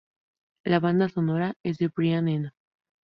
La banda sonora es de Brian Eno.